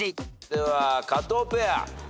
では加藤ペア。